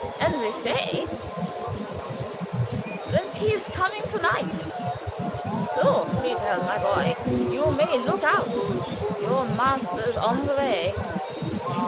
"And they say," he continued, "that he's coming to night; so Friedhelm, my boy, you may look out. Your master's on the way."